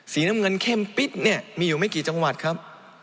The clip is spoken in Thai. สีน้ำเงินเข้มปิ๊ดเนี่ยมีอยู่ไม่กี่จังหวัดครับ